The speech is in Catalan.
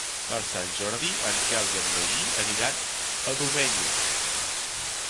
Per Sant Jordi en Quel i en Magí aniran a Domenyo.